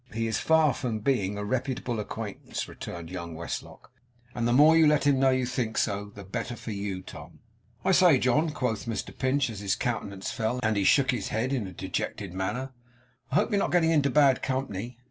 'He is very far from being a reputable acquaintance,' returned young Westlock; 'and the more you let him know you think so, the better for you, Tom.' 'I say, John,' quoth Mr Pinch, as his countenance fell, and he shook his head in a dejected manner. 'I hope you are not getting into bad company.